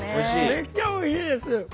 めっちゃおいしいです！